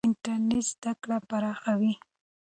انټرنېټ زده کړه پراخوي.